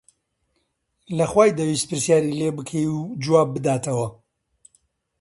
لە خوای دەویست پرسیاری لێ بکەی و جواب بداتەوە